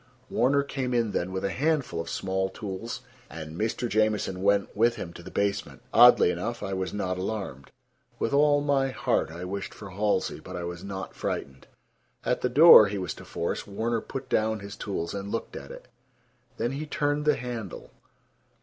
Warner came in then with a handful of small tools, and Mr. Jamieson went with him to the basement. Oddly enough, I was not alarmed. With all my heart I wished for Halsey, but I was not frightened. At the door he was to force, Warner put down his tools and looked at it. Then he turned the handle.